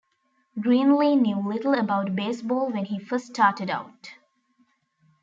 Greenlee knew little about baseball when he first started out.